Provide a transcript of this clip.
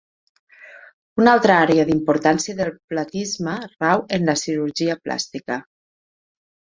Una altra àrea d'importància del platisma rau en la cirurgia plàstica.